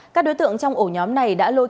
các đối tượng trong ổ nhóm này đã lôi